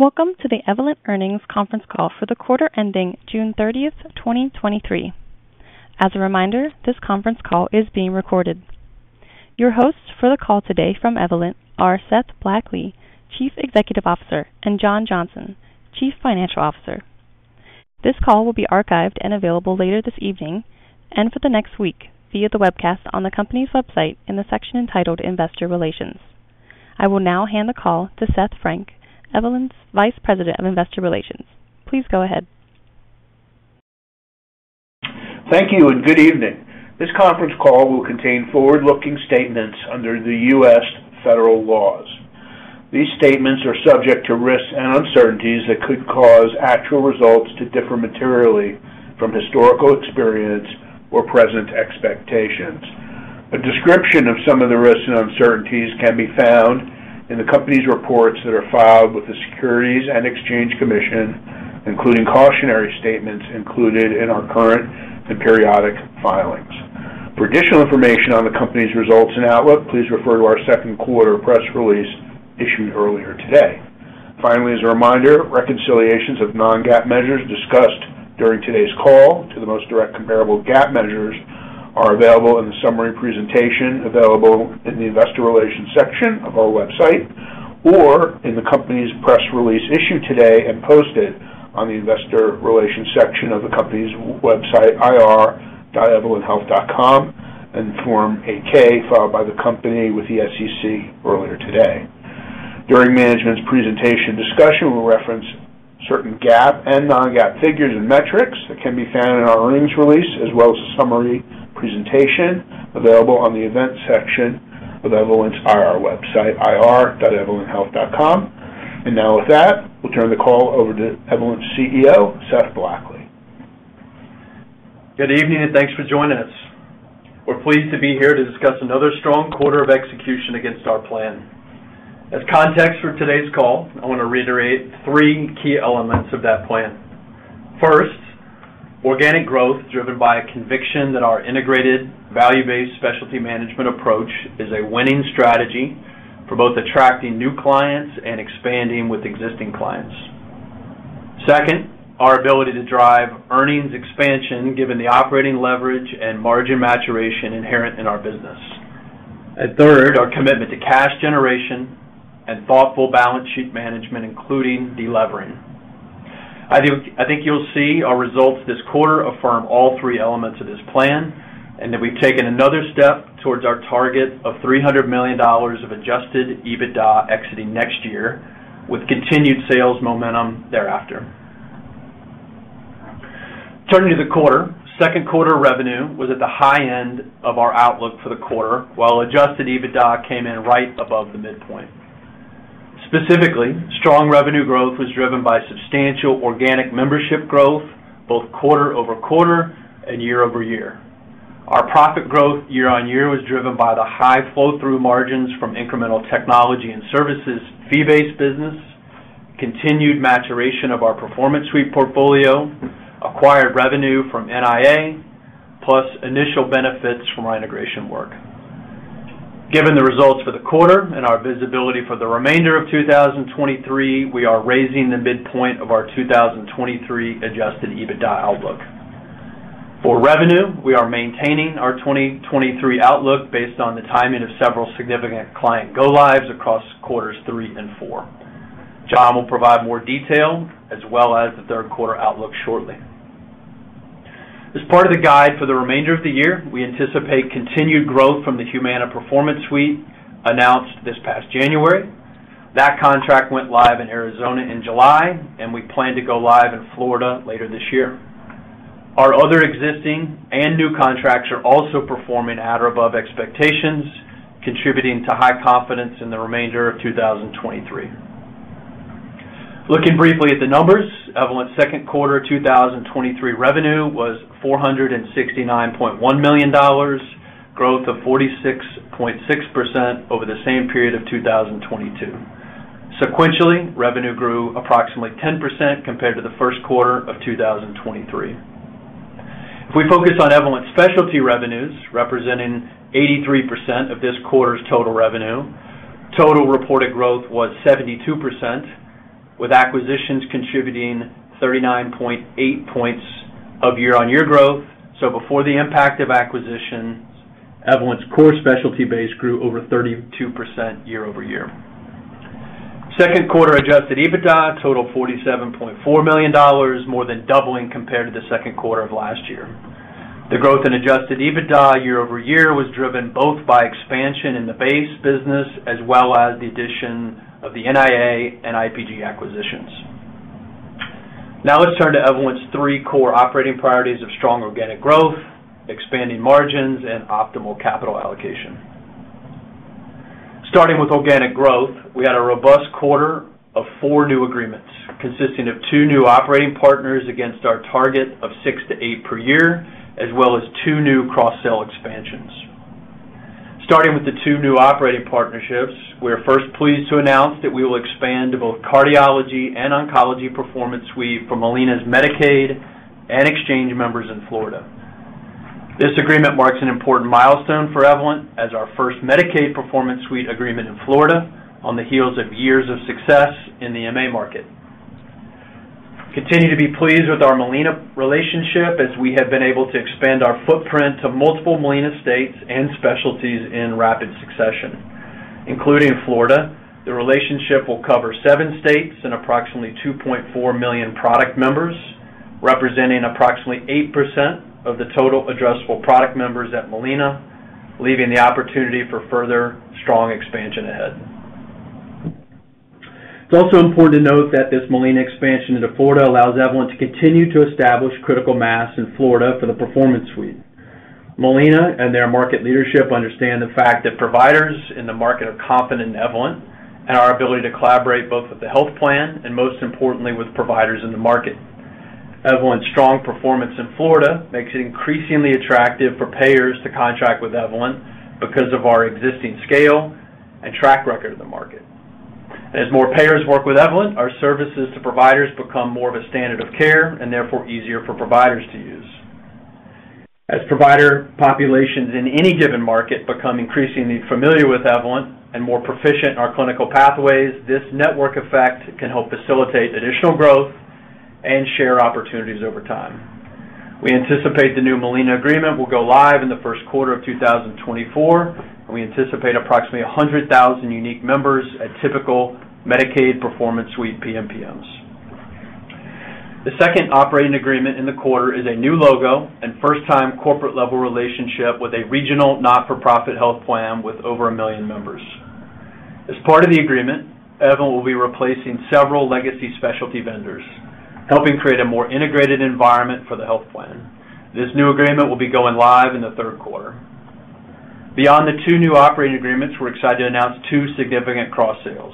Welcome to the Evolent Earnings Conference Call for the quarter ending June thirtieth, 2023. As a reminder, this conference call is being recorded. Your hosts for the call today from Evolent are Seth Blackley, Chief Executive Officer, and John Johnson, Chief Financial Officer. This call will be archived and available later this evening and for the next week via the webcast on the company's website in the section entitled Investor Relations. I will now hand the call to Seth Frank, Evolent's Vice President of Investor Relations. Please go ahead. Thank you, good evening. This conference call will contain forward-looking statements under the U.S. federal laws. These statements are subject to risks and uncertainties that could cause actual results to differ materially from historical experience or present expectations. A description of some of the risks and uncertainties can be found in the company's reports that are filed with the Securities and Exchange Commission, including cautionary statements included in our current and periodic filings. For additional information on the company's results and outlook, please refer to our second quarter press release issued earlier today. Finally, as a reminder, reconciliations of non-GAAP measures discussed during today's call to the most direct comparable GAAP measures are available in the summary presentation, available in the Investor Relations section of our website or in the company's press release issued today and posted on the Investor Relations section of the company's website, ir.evolenthealth.com, and Form 8-K, filed by the company with the SEC earlier today. During management's presentation discussion, we'll reference certain GAAP and non-GAAP figures and metrics that can be found in our earnings release, as well as a summary presentation available on the Events section of Evolent's IR website, ir.evolenthealth.com. Now with that, we'll turn the call over to Evolent's CEO, Seth Blackley. Good evening. Thanks for joining us. We're pleased to be here to discuss another strong quarter of execution against our plan. As context for today's call, I want to reiterate 3 key elements of that plan. First, organic growth, driven by a conviction that our integrated, value-based specialty management approach is a winning strategy for both attracting new clients and expanding with existing clients. Second, our ability to drive earnings expansion, given the operating leverage and margin maturation inherent in our business. Third, our commitment to cash generation and thoughtful balance sheet management, including delevering. I think you'll see our results this quarter affirm all 3 elements of this plan, that we've taken another step towards our target of $300 million of Adjusted EBITDA exiting next year, with continued sales momentum thereafter. Turning to the quarter, second quarter revenue was at the high end of our outlook for the quarter, while Adjusted EBITDA came in right above the midpoint. Specifically, strong revenue growth was driven by substantial organic membership growth, both quarter-over-quarter and year-over-year. Our profit growth year-on-year was driven by the high flow-through margins from incremental technology and services, fee-based business, continued maturation of our Performance Suite portfolio, acquired revenue from NIA, plus initial benefits from our integration work. Given the results for the quarter and our visibility for the remainder of 2023, we are raising the midpoint of our 2023 Adjusted EBITDA outlook. For revenue, we are maintaining our 2023 outlook based on the timing of several significant client go-lives across quarters three and four. Jon will provide more detail as well as the third quarter outlook shortly. As part of the guide for the remainder of the year, we anticipate continued growth from the Humana Performance Suite announced this past January. That contract went live in Arizona in July, and we plan to go live in Florida later this year. Our other existing and new contracts are also performing at or above expectations, contributing to high confidence in the remainder of 2023. Looking briefly at the numbers, Evolent's second quarter 2023 revenue was $469.1 million, growth of 46.6% over the same period of 2022. Sequentially, revenue grew approximately 10% compared to the first quarter of 2023. If we focus on Evolent specialty revenues, representing 83% of this quarter's total revenue, total reported growth was 72%, with acquisitions contributing 39.8 points of year-on-year growth. Before the impact of acquisition, Evolent's core specialty base grew over 32% year-over-year. Second quarter Adjusted EBITDA totaled $47.4 million, more than doubling compared to the second quarter of last year. The growth in Adjusted EBITDA year-over-year was driven both by expansion in the base business as well as the addition of the NIA and IPG acquisitions. Let's turn to Evolent's three core operating priorities of strong organic growth, expanding margins, and optimal capital allocation. Starting with organic growth, we had a robust quarter of 4 new agreements, consisting of 2 new operating partners against our target of 6-8 per year, as well as 2 new cross-sale expansions. Starting with the 2 new operating partnerships, we are first pleased to announce that we will expand to both cardiology and oncology Performance Suite for Molina's Medicaid and exchange members in Florida. This agreement marks an important milestone for Evolent as our first Medicaid Performance Suite agreement in Florida on the heels of years of success in the MA market. Continue to be pleased with our Molina relationship, as we have been able to expand our footprint to multiple Molina states and specialties in rapid succession. Including Florida, the relationship will cover 7 states and approximately 2.4 million product members, representing approximately 8% of the total addressable product members at Molina, leaving the opportunity for further strong expansion ahead. It's also important to note that this Molina expansion into Florida allows Evolent to continue to establish critical mass in Florida for the Performance Suite. Molina and their market leadership understand the fact that providers in the market are confident in Evolent, and our ability to collaborate both with the health plan and, most importantly, with providers in the market. Evolent's strong performance in Florida makes it increasingly attractive for payers to contract with Evolent because of our existing scale and track record in the market. As more payers work with Evolent, our services to providers become more of a standard of care, and therefore easier for providers to use. As provider populations in any given market become increasingly familiar with Evolent and more proficient in our clinical pathways, this network effect can help facilitate additional growth and share opportunities over time. We anticipate the new Molina agreement will go live in the first quarter of 2024, and we anticipate approximately 100,000 unique members at typical Medicaid Performance Suite PMPMs. The second operating agreement in the quarter is a new logo and first-time corporate-level relationship with a regional, not-for-profit health plan with over 1 million members. As part of the agreement, Evolent will be replacing several legacy specialty vendors, helping create a more integrated environment for the health plan. This new agreement will be going live in the third quarter. Beyond the 2 new operating agreements, we're excited to announce 2 significant cross sales.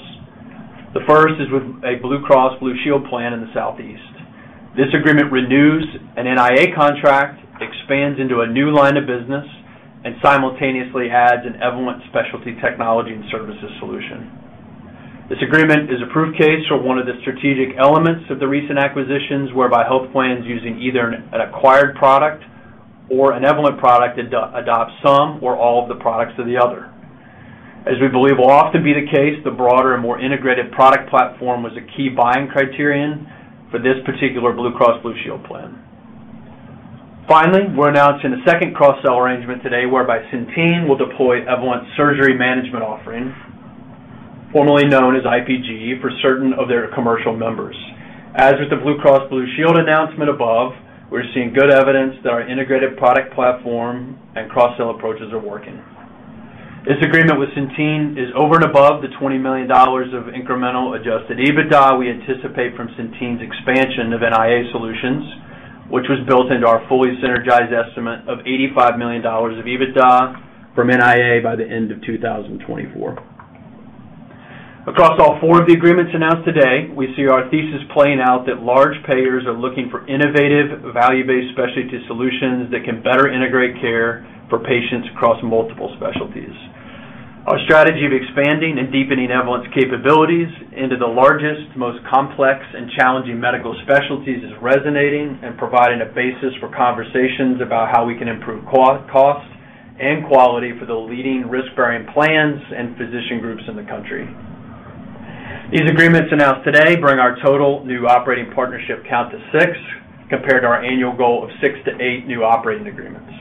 The first is with a Blue Cross Blue Shield plan in the Southeast. This agreement renews an NIA contract, expands into a new line of business, and simultaneously adds an Evolent Specialty Technology and Services solution. This agreement is a proof case for one of the strategic elements of the recent acquisitions, whereby health plans using either an acquired product or an Evolent product, adopts some or all of the products of the other. As we believe will often be the case, the broader and more integrated product platform was a key buying criterion for this particular Blue Cross Blue Shield plan. Finally, we're announcing a second cross-sell arrangement today, whereby Centene will deploy Evolent's surgical management offering, formerly known as IPG, for certain of their commercial members. As with the Blue Cross Blue Shield announcement above, we're seeing good evidence that our integrated product platform and cross-sell approaches are working. This agreement with Centene is over and above the $20 million of incremental Adjusted EBITDA we anticipate from Centene's expansion of NIA Solutions, which was built into our fully synergized estimate of $85 million of EBITDA from NIA by the end of 2024. Across all four of the agreements announced today, we see our thesis playing out that large payers are looking for innovative, value-based specialty solutions that can better integrate care for patients across multiple specialties. Our strategy of expanding and deepening Evolent's capabilities into the largest, most complex, and challenging medical specialties is resonating and providing a basis for conversations about how we can improve costs and quality for the leading risk-bearing plans and physician groups in the country. These agreements announced today bring our total new operating partnership count to 6, compared to our annual goal of 6-8 new operating agreements.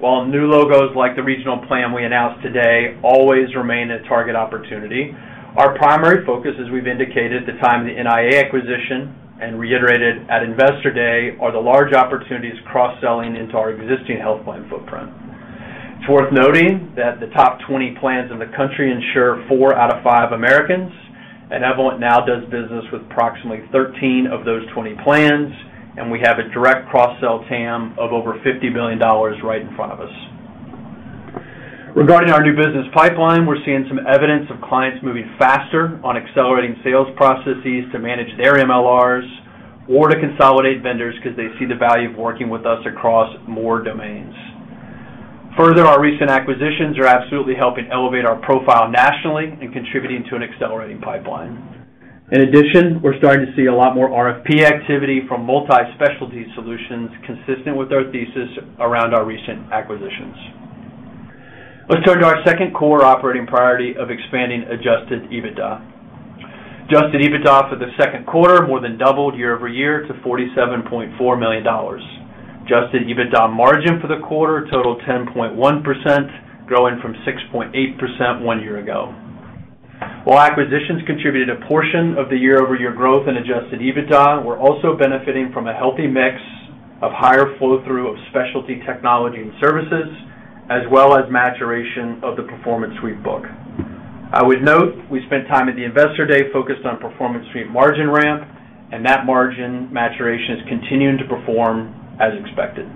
While new logos, like the regional plan we announced today, always remain a target opportunity, our primary focus, as we've indicated at the time of the NIA acquisition and reiterated at Investor Day, are the large opportunities cross-selling into our existing health plan footprint. It's worth noting that the top 20 plans in the country insure 4 out of 5 Americans, and Evolent now does business with approximately 13 of those 20 plans, and we have a direct cross-sell TAM of over $50 billion right in front of us. Regarding our new business pipeline, we're seeing some evidence of clients moving faster on accelerating sales processes to manage their MLRs or to consolidate vendors because they see the value of working with us across more domains. Further, our recent acquisitions are absolutely helping elevate our profile nationally and contributing to an accelerating pipeline. In addition, we're starting to see a lot more RFP activity from multi-specialty solutions consistent with our thesis around our recent acquisitions. Let's turn to our second core operating priority of expanding Adjusted EBITDA. Adjusted EBITDA for the second quarter more than doubled year-over-year to $47.4 million. Adjusted EBITDA margin for the quarter totaled 10.1%, growing from 6.8% one year ago. While acquisitions contributed a portion of the year-over-year growth in Adjusted EBITDA, we're also benefiting from a healthy mix of higher flow-through of Specialty Technology and Services, as well as maturation of the Performance Suite book. I would note, we spent time at the Investor Day focused on Performance Suite margin ramp, and that margin maturation is continuing to perform as expected.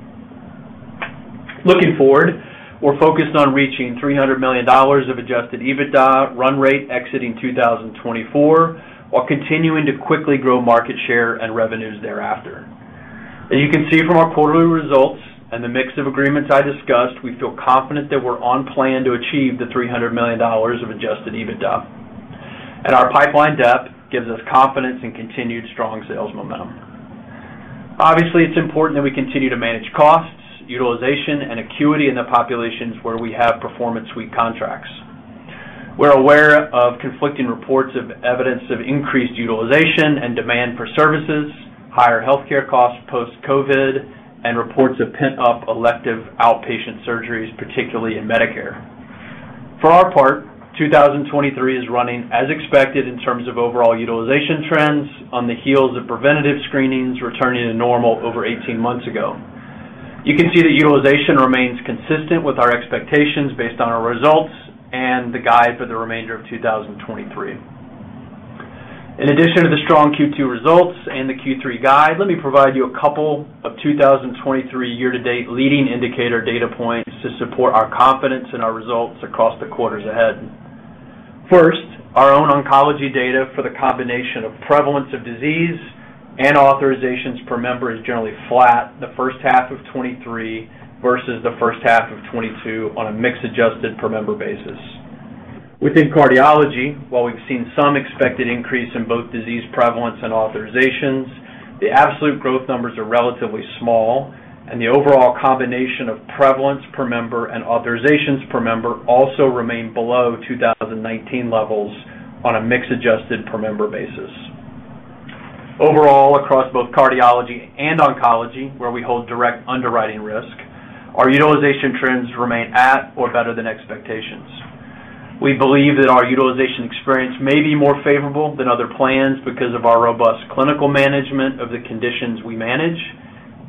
Looking forward, we're focused on reaching $300 million of Adjusted EBITDA run rate exiting 2024, while continuing to quickly grow market share and revenues thereafter. As you can see from our quarterly results and the mix of agreements I discussed, we feel confident that we're on plan to achieve the $300 million of Adjusted EBITDA. Our pipeline depth gives us confidence in continued strong sales momentum. Obviously, it's important that we continue to manage costs, utilization, and acuity in the populations where we have Performance Suite contracts. We're aware of conflicting reports of evidence of increased utilization and demand for services, higher healthcare costs post-COVID, and reports of pent-up elective outpatient surgeries, particularly in Medicare. For our part, 2023 is running as expected in terms of overall utilization trends on the heels of preventative screenings returning to normal over 18 months ago. You can see that utilization remains consistent with our expectations based on our results and the guide for the remainder of 2023. In addition to the strong Q2 results and the Q3 guide, let me provide you a couple of 2023 year-to-date leading indicator data points to support our confidence in our results across the quarters ahead. First, our own oncology data for the combination of prevalence of disease and authorizations per member is generally flat, the first half of 2023 versus the first half of 2022 on a mix adjusted per member basis. Within cardiology, while we've seen some expected increase in both disease prevalence and authorizations, the absolute growth numbers are relatively small, and the overall combination of prevalence per member and authorizations per member also remain below 2019 levels on a mix-adjusted per member basis. Overall, across both cardiology and oncology, where we hold direct underwriting risk, our utilization trends remain at or better than expectations. We believe that our utilization experience may be more favorable than other plans because of our robust clinical management of the conditions we manage,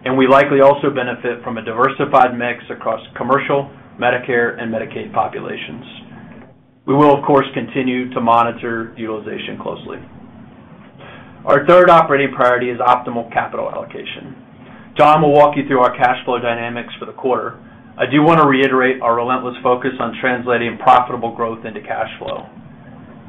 and we likely also benefit from a diversified mix across commercial, Medicare, and Medicaid populations. We will, of course, continue to monitor utilization closely. Our third operating priority is optimal capital allocation. John will walk you through our cash flow dynamics for the quarter. I do want to reiterate our relentless focus on translating profitable growth into cash flow.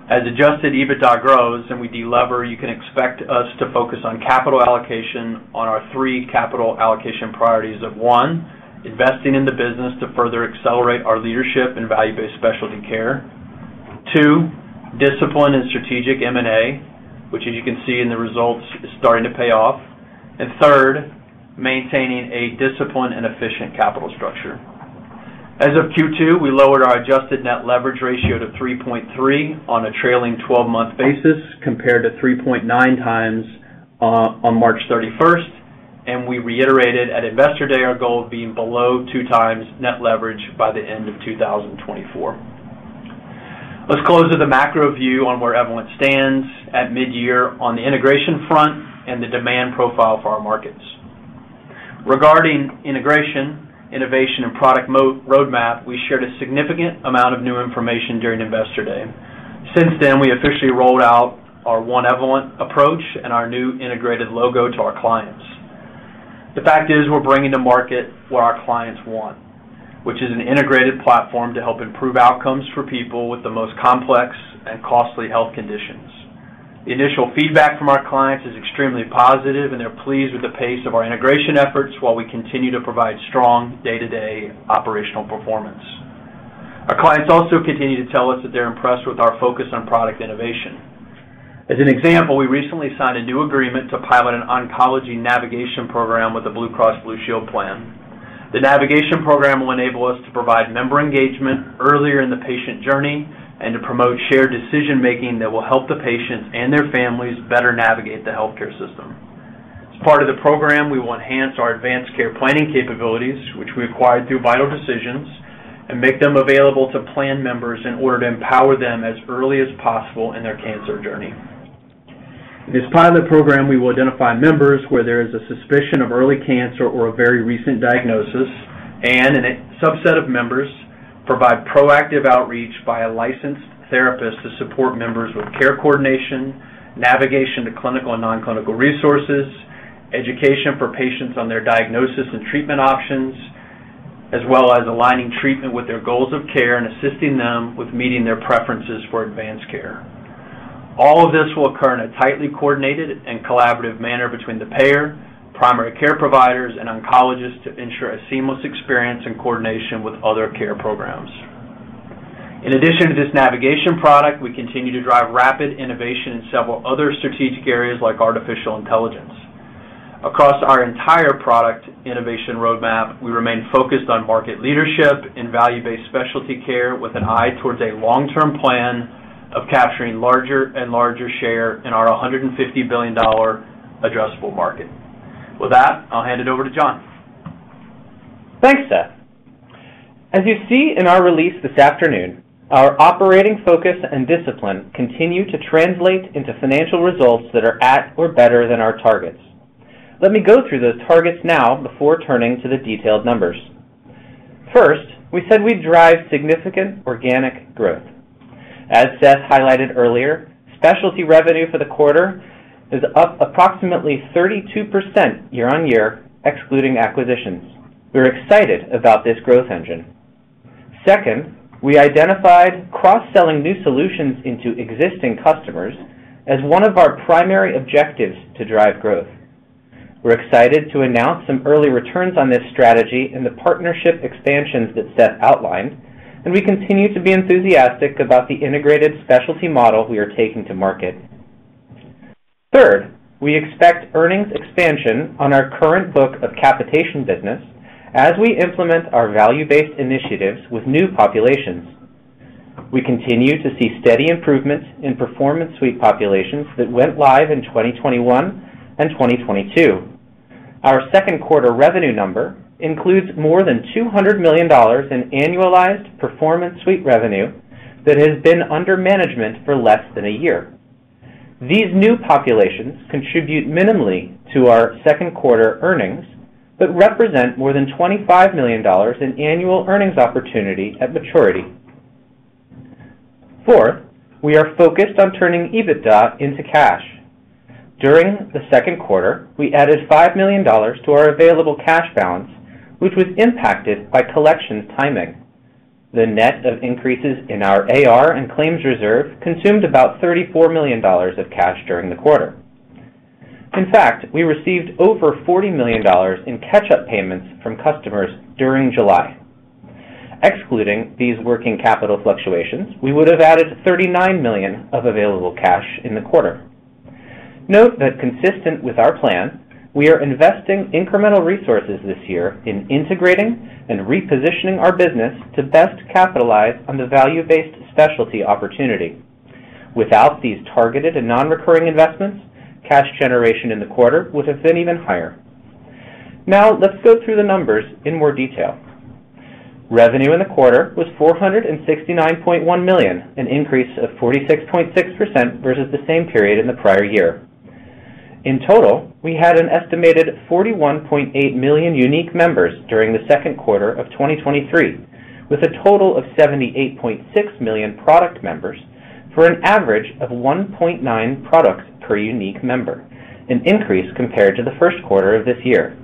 As adjusted, EBITDA grows, and we delever, you can expect us to focus on capital allocation on our 3 capital allocation priorities of, 1, investing in the business to further accelerate our leadership in value-based specialty care. 2, discipline and strategic M&A, which, as you can see in the results, is starting to pay off. 3, maintaining a disciplined and efficient capital structure. As of Q2, we lowered our adjusted net leverage ratio to 3.3 on a trailing 12-month basis, compared to 3.9 times on March 31st. We reiterated at Investor Day our goal of being below 2 times net leverage by the end of 2024. Let's close with a macro view on where Evolent stands at midyear on the integration front and the demand profile for our markets. Regarding integration, innovation, and product roadmap, we shared a significant amount of new information during Investor Day. Since then, we officially rolled out our One Evolent approach and our new integrated logo to our clients. The fact is, we're bringing to market what our clients want, which is an integrated platform to help improve outcomes for people with the most complex and costly health conditions. The initial feedback from our clients is extremely positive, and they're pleased with the pace of our integration efforts, while we continue to provide strong day-to-day operational performance. Our clients also continue to tell us that they're impressed with our focus on product innovation. As an example, we recently signed a new agreement to pilot an oncology navigation program with the Blue Cross Blue Shield plan. The navigation program will enable us to provide member engagement earlier in the patient journey and to promote shared decision-making that will help the patients and their families better navigate the healthcare system. As part of the program, we will enhance our advanced care planning capabilities, which we acquired through Vital Decisions, and make them available to plan members in order to empower them as early as possible in their cancer journey. In this pilot program, we will identify members where there is a suspicion of early cancer or a very recent diagnosis, and in a subset of members, provide proactive outreach by a licensed therapist to support members with care coordination, navigation to clinical and non-clinical resources, education for patients on their diagnosis and treatment options, as well as aligning treatment with their goals of care and assisting them with meeting their preferences for advanced care. All of this will occur in a tightly coordinated and collaborative manner between the payer, primary care providers, and oncologists to ensure a seamless experience and coordination with other care programs. In addition to this navigation product, we continue to drive rapid innovation in several other strategic areas, like artificial intelligence. Across our entire product innovation roadmap, we remain focused on market leadership in value-based specialty care with an eye towards a long-term plan of capturing larger and larger share in our $150 billion addressable market. With that, I'll hand it over to John. Thanks, Seth. As you see in our release this afternoon, our operating focus and discipline continue to translate into financial results that are at or better than our targets. Let me go through those targets now before turning to the detailed numbers. First, we said we'd drive significant organic growth. As Seth highlighted earlier, specialty revenue for the quarter is up approximately 32% year-over-year, excluding acquisitions. We're excited about this growth engine. Second, we identified cross-selling new solutions into existing customers as one of our primary objectives to drive growth. We're excited to announce some early returns on this strategy and the partnership expansions that Seth outlined, we continue to be enthusiastic about the integrated specialty model we are taking to market. Third, we expect earnings expansion on our current book of capitation business as we implement our value-based initiatives with new populations. We continue to see steady improvements in Performance Suite populations that went live in 2021 and 2022. Our second quarter revenue number includes more than $200 million in annualized Performance Suite revenue that has been under management for less than a year. These new populations contribute minimally to our second quarter earnings, but represent more than $25 million in annual earnings opportunity at maturity. Fourth, we are focused on turning EBITDA into cash. During the second quarter, we added $5 million to our available cash balance, which was impacted by collections timing. The net of increases in our AR and claims reserve consumed about $34 million of cash during the quarter. In fact, we received over $40 million in catch-up payments from customers during July. Excluding these working capital fluctuations, we would have added $39 million of available cash in the quarter. Note that consistent with our plan, we are investing incremental resources this year in integrating and repositioning our business to best capitalize on the value-based specialty opportunity. Without these targeted and non-recurring investments, cash generation in the quarter would have been even higher. Now, let's go through the numbers in more detail. Revenue in the quarter was $469.1 million, an increase of 46.6% versus the same period in the prior year. In total, we had an estimated 41.8 million unique members during the second quarter of 2023, with a total of 78.6 million product members for an average of 1.9 products per unique member, an increase compared to the first quarter of this year.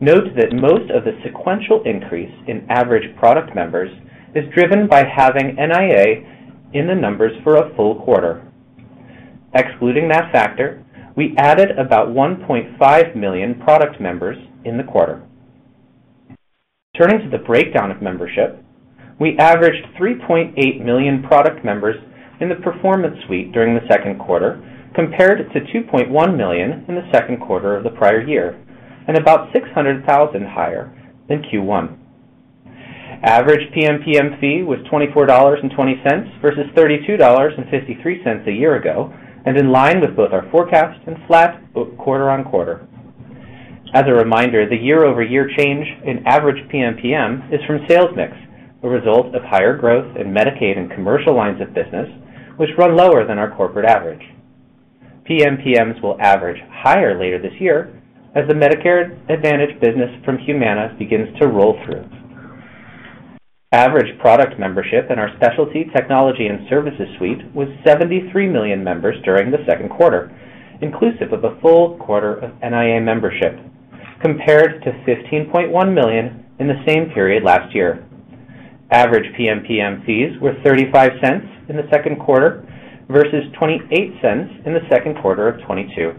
Note that most of the sequential increase in average product members is driven by having NIA in the numbers for a full quarter. Excluding that factor, we added about 1.5 million product members in the quarter. Turning to the breakdown of membership, we averaged 3.8 million product members in the Performance Suite during the second quarter, compared to 2.1 million in the second quarter of the prior year, and about 600,000 higher than Q1. Average PMPM fee was $24.20 versus $32.53 a year ago, and in line with both our forecast and flat quarter-on-quarter. As a reminder, the year-over-year change in average PMPM is from sales mix, a result of higher growth in Medicaid and commercial lines of business, which run lower than our corporate average. PMPMs will average higher later this year as the Medicare Advantage business from Humana begins to roll through. Average product membership in our Specialty Technology and Services suite was 73 million members during the second quarter, inclusive of a full quarter of NIA membership, compared to 15.1 million in the same period last year. Average PMPM fees were $0.35 in the second quarter versus $0.28 in the second quarter of 2022.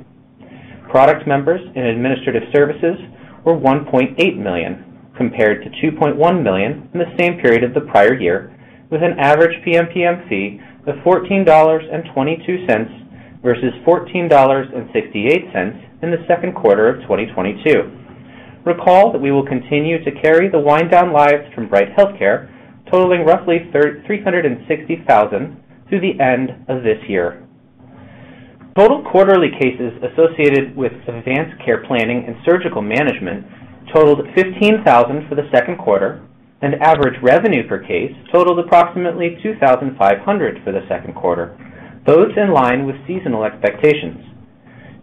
Product members in administrative services were 1.8 million, compared to 2.1 million in the same period of the prior year, with an average PMPM fee of $14.22 versus $14.68 in the second quarter of 2022. Recall that we will continue to carry the wind down lives from Bright HealthCare, totaling roughly 360,000 through the end of this year. Total quarterly cases associated with advanced care planning and surgical management totaled 15,000 for the second quarter, and average revenue per case totaled approximately $2,500 for the second quarter, both in line with seasonal expectations.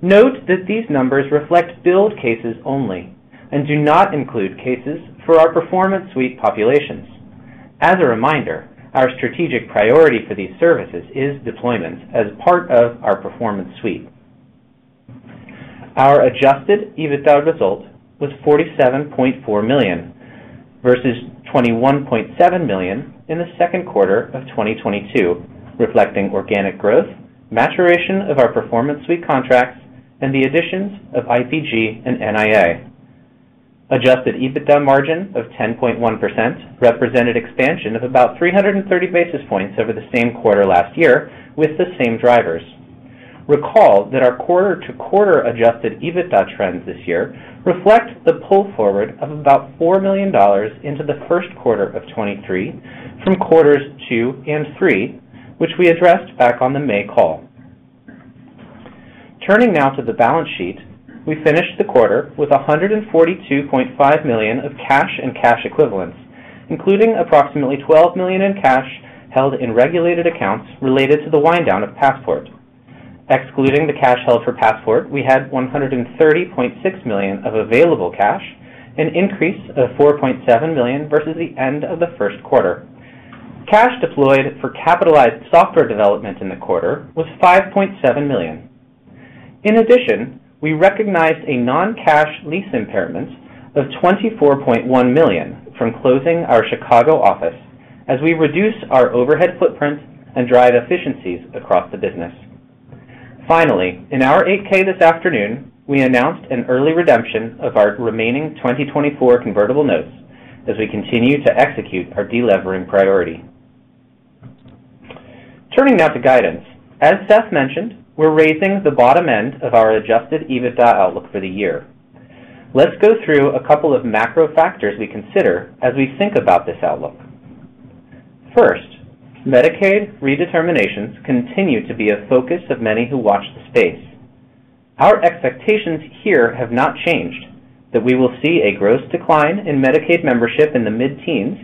Note that these numbers reflect billed cases only and do not include cases for our Performance Suite populations. As a reminder, our strategic priority for these services is deployments as part of our Performance Suite. Our Adjusted EBITDA result was $47.4 million versus $21.7 million in the second quarter of 2022, reflecting organic growth, maturation of our Performance Suite contracts, and the additions of IPG and NIA. Adjusted EBITDA margin of 10.1% represented expansion of about 330 basis points over the same quarter last year with the same drivers. Recall that our quarter-to-quarter Adjusted EBITDA trends this year reflect the pull forward of about $4 million into the first quarter of 2023 from quarters two and three, which we addressed back on the May call. Turning now to the balance sheet, we finished the quarter with $142.5 million of cash and cash equivalents, including approximately $12 million in cash held in regulated accounts related to the wind down of Passport. Excluding the cash held for Passport, we had $130.6 million of available cash, an increase of $4.7 million versus the end of the first quarter. Cash deployed for capitalized software development in the quarter was $5.7 million. In addition, we recognized a non-cash lease impairment of $24.1 million from closing our Chicago office as we reduce our overhead footprint and drive efficiencies across the business. Finally, in our 8-K this afternoon, we announced an early redemption of our remaining 2024 convertible notes as we continue to execute our delevering priority. Turning now to guidance. As Seth mentioned, we're raising the bottom end of our Adjusted EBITDA outlook for the year. Let's go through a couple of macro factors we consider as we think about this outlook. First, Medicaid redeterminations continue to be a focus of many who watch the space. Our expectations here have not changed, that we will see a gross decline in Medicaid membership in the mid-teens,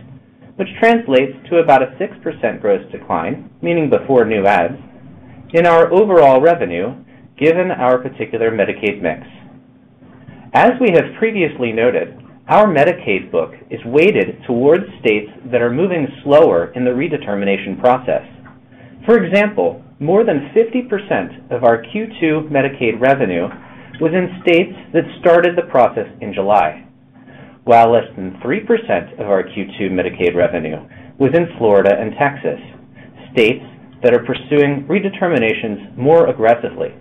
which translates to about a 6% gross decline, meaning before new adds, in our overall revenue, given our particular Medicaid mix. As we have previously noted, our Medicaid book is weighted towards states that are moving slower in the redetermination process. For example, more than 50% of our Q2 Medicaid revenue was in states that started the process in July, while less than 3% of our Q2 Medicaid revenue was in Florida and Texas, states that are pursuing redeterminations more aggressively.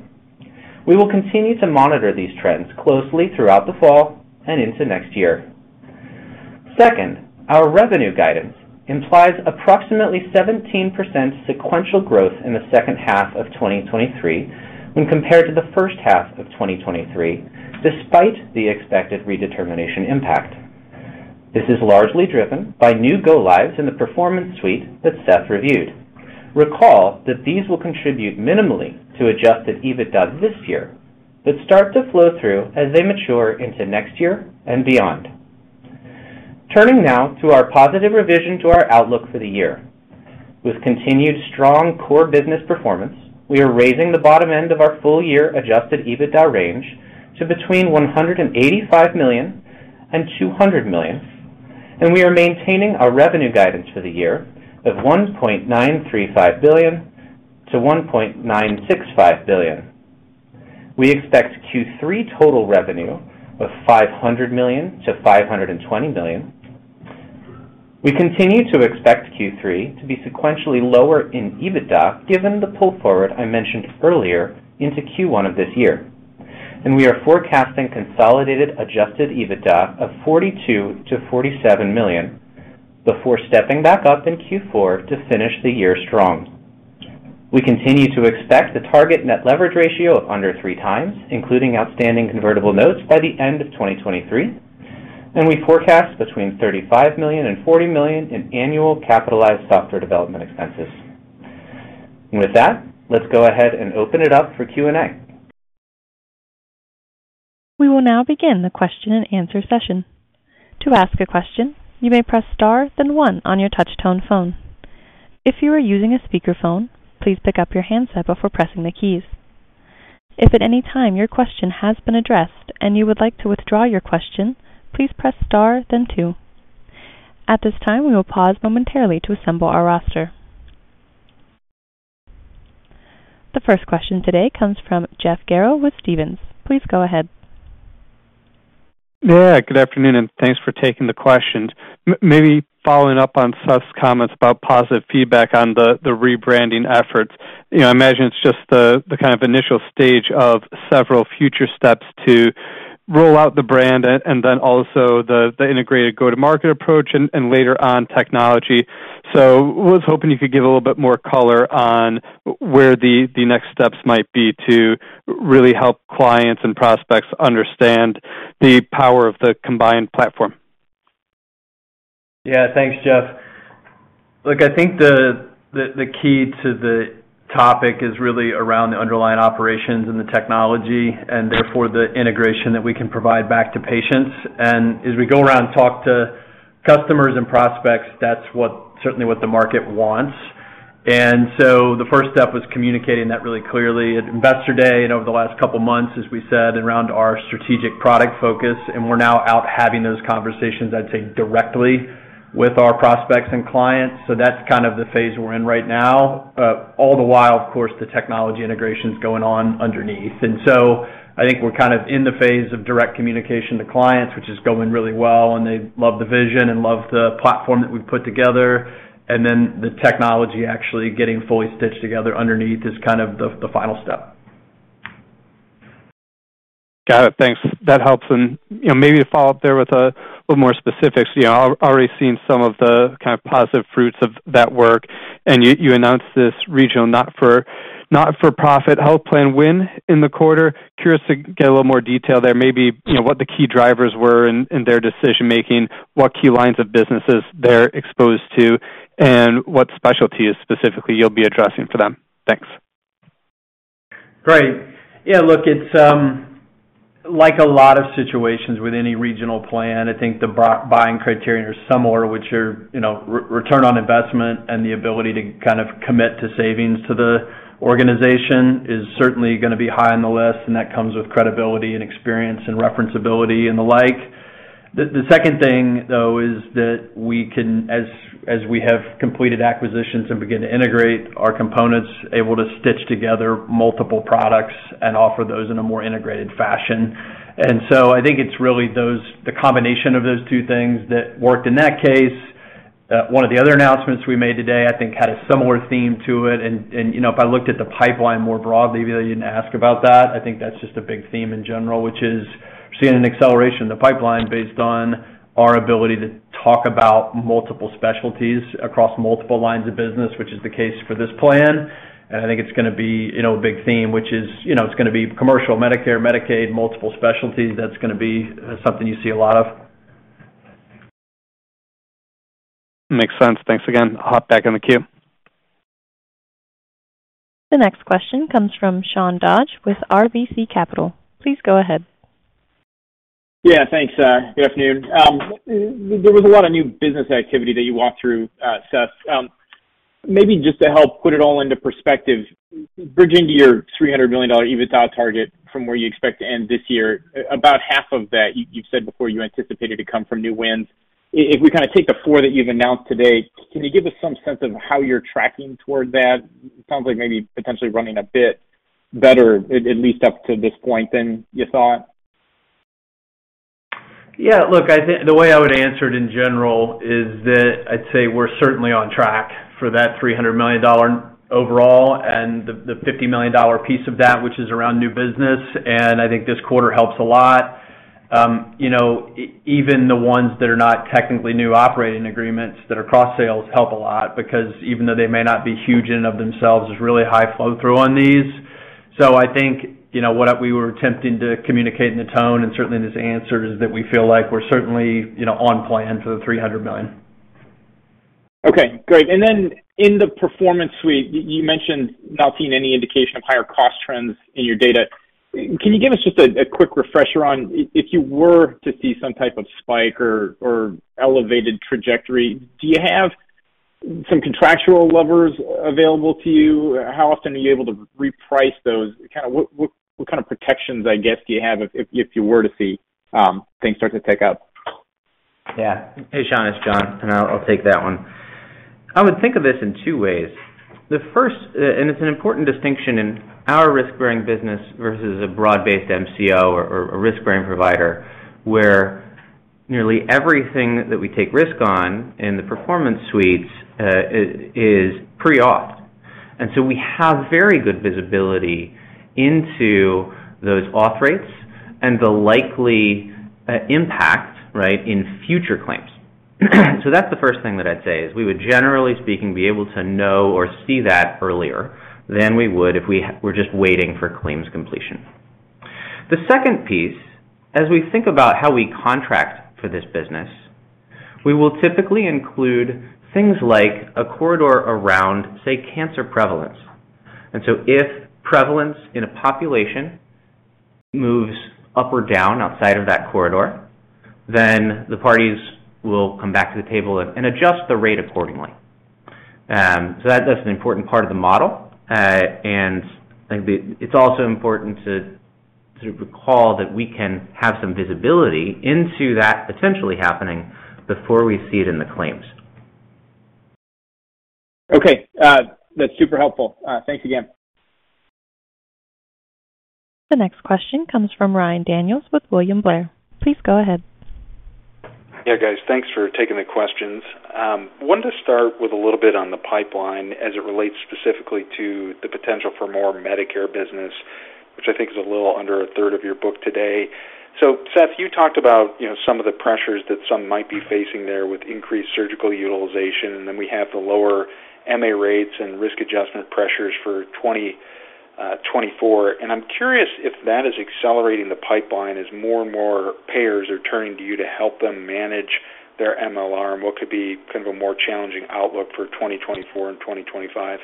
We will continue to monitor these trends closely throughout the fall and into next year. Second, our revenue guidance implies approximately 17% sequential growth in the second half of 2023 when compared to the first half of 2023, despite the expected redetermination impact. This is largely driven by new go lives in the Performance Suite that Seth reviewed. Recall that these will contribute minimally to Adjusted EBITDA this year, but start to flow through as they mature into next year and beyond. Turning now to our positive revision to our outlook for the year. With continued strong core business performance, we are raising the bottom end of our full year Adjusted EBITDA range to between $185 million and $200 million, and we are maintaining our revenue guidance for the year of $1.935 billion-$1.965 billion. We expect Q3 total revenue of $500 million-$520 million. We continue to expect Q3 to be sequentially lower in EBITDA, given the pull forward I mentioned earlier into Q1 of this year. We are forecasting consolidated Adjusted EBITDA of $42 million-$47 million before stepping back up in Q4 to finish the year strong. We continue to expect a target net leverage ratio of under 3 times, including outstanding convertible notes by the end of 2023. We forecast between $35 million and $40 million in annual capitalized software development expenses. With that, let's go ahead and open it up for Q&A. We will now begin the question and answer session. To ask a question, you may press Star, then one on your touchtone phone. If you are using a speakerphone, please pick up your handset before pressing the keys. If at any time your question has been addressed and you would like to withdraw your question, please press Star, then two. At this time, we will pause momentarily to assemble our roster. The first question today comes from Jeff Garro with Stephens. Please go ahead. Yeah, good afternoon, and thanks for taking the questions. Maybe following up on Seth's comments about positive feedback on the, the rebranding efforts. You know, I imagine it's just the, the kind of initial stage of several future steps to roll out the brand and, and then also the, the integrated go-to-market approach and, and later on, technology. So I was hoping you could give a little bit more color on where the, the next steps might be to really help clients and prospects understand the power of the combined platform. Yeah, thanks, Jeff. Look, I think the, the, the key to the topic is really around the underlying operations and the technology, and therefore the integration that we can provide back to patients. As we go around and talk to customers and prospects, that's what... Certainly what the market wants. The first step was communicating that really clearly at Investor Day and over the last couple of months, as we said, around our strategic product focus, and we're now out having those conversations, I'd say, directly with our prospects and clients. So that's kind of the phase we're in right now. All the while, of course, the technology integration is going on underneath. I think we're kind of in the phase of direct communication to clients, which is going really well, and they love the vision and love the platform that we've put together. Then the technology actually getting fully stitched together underneath is kind of the final step. Got it. Thanks. That helps. You know, maybe to follow up there with a little more specifics, you know, I've already seen some of the kind of positive fruits of that work, and you, you announced this regional, not-for-profit health plan win in the quarter. Curious to get a little more detail there. Maybe, you know, what the key drivers were in, in their decision-making, what key lines of businesses they're exposed to, and what specialties specifically you'll be addressing for them. Thanks. Great. Yeah, look, it's, like a lot of situations with any regional plan, I think the buying criteria are similar, which are, you know, return on investment and the ability to kind of commit to savings to the organization is certainly going to be high on the list, and that comes with credibility and experience and reference ability and the like. The second thing, though, is that we can, as we have completed acquisitions and begin to integrate our components, able to stitch together multiple products and offer those in a more integrated fashion. So I think it's really those, the combination of those two things that worked in that case. One of the other announcements we made today, I think, had a similar theme to it, and, and, you know, if I looked at the pipeline more broadly, though you didn't ask about that, I think that's just a big theme in general, which is seeing an acceleration in the pipeline based on our ability to talk about multiple specialties across multiple lines of business, which is the case for this plan. I think it's gonna be, you know, a big theme, which is, you know, it's gonna be commercial, Medicare, Medicaid, multiple specialties. That's gonna be something you see a lot of. Makes sense. Thanks again. I'll hop back in the queue. The next question comes from Sean Dodge with RBC Capital. Please go ahead. Yeah, thanks. Good afternoon. There was a lot of new business activity that you walked through, Seth. Maybe just to help put it all into perspective, bridging to your $300 million EBITDA target from where you expect to end this year, about half of that, you've said before you anticipated to come from new wins. If we kinda take the four that you've announced today, can you give us some sense of how you're tracking toward that? Sounds like maybe potentially running a bit better, at least up to this point than you thought. Yeah, look, I think the way I would answer it in general is that I'd say we're certainly on track for that $300 million overall and the, the $50 million piece of that, which is around new business, and I think this quarter helps a lot. You know, even the ones that are not technically new operating agreements that are cross sales help a lot, because even though they may not be huge in and of themselves, there's really high flow through on these. I think, you know, what we were attempting to communicate in the tone, and certainly in this answer, is that we feel like we're certainly, you know, on plan for the $300 million. Okay, great. Then in the Performance Suite, you, you mentioned not seeing any indication of higher cost trends in your data. Can you give us just a, a quick refresher on if, if you were to see some type of spike or, or elevated trajectory, do you have some contractual levers available to you? How often are you able to reprice those? Kinda what, what, what kind of protections, I guess, do you have if, if, if you were to see things start to tick up? Yeah. Hey, Sean, it's John. I'll take that one. I would think of this in two ways. The first, it's an important distinction in our risk-bearing business versus a broad-based MCO or a risk-bearing provider, where nearly everything that we take risk on in the Performance Suites is pre-authed. We have very good visibility into those auth rates and the likely impact, right, in future claims. That's the first thing that I'd say, is we would, generally speaking, be able to know or see that earlier than we would if we're just waiting for claims completion. The second piece, as we think about how we contract for this business, we will typically include things like a corridor around, say, cancer prevalence. If prevalence in a population moves up or down outside of that corridor, then the parties will come back to the table and, and adjust the rate accordingly. So that's, that's an important part of the model. And I think it's also important to sort of recall that we can have some visibility into that potentially happening before we see it in the claims. Okay. That's super helpful. Thanks again. The next question comes from Ryan Daniels with William Blair. Please go ahead. Yeah, guys, thanks for taking the questions. Wanted to start with a little bit on the pipeline as it relates specifically to the potential for more Medicare business, which I think is a little under a third of your book today. Seth, you talked about, you know, some of the pressures that some might be facing there with increased surgical utilization, we have the lower MA rates and risk adjustment pressures for 2024. I'm curious if that is accelerating the pipeline as more and more payers are turning to you to help them manage their MLR, and what could be kind of a more challenging outlook for 2024 and 2025.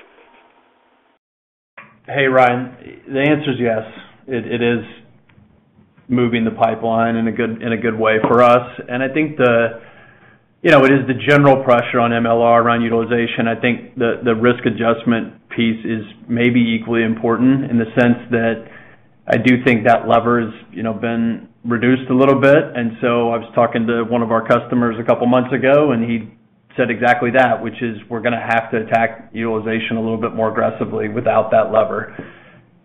Hey, Ryan. The answer is yes. It is moving the pipeline in a good, in a good way for us, I think, you know, it is the general pressure on MLR around utilization. I think the risk adjustment piece is maybe equally important in the sense that I do think that lever's, you know, been reduced a little bit. I was talking to one of our customers 2 months ago, and he said exactly that, which is: We're gonna have to attack utilization a little bit more aggressively without that lever,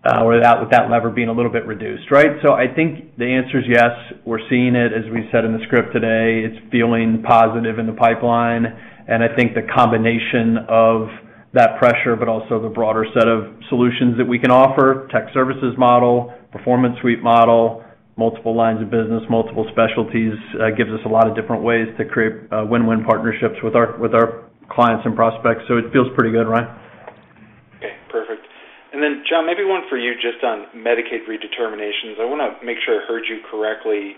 or without that lever being a little bit reduced, right? I think the answer is yes. We're seeing it, as we said in the script today, it's feeling positive in the pipeline. I think the combination of that pressure, but also the broader set of solutions that we can offer, tech services model, Performance Suite model, multiple lines of business, multiple specialties, gives us a lot of different ways to create win-win partnerships with our, with our clients and prospects. It feels pretty good, Ryan. Okay, perfect. John, maybe 1 for you, just on Medicaid redeterminations. I want to make sure I heard you correctly.